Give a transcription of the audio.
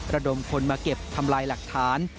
ระดมคนมาเก็บทำลายหลักฐาน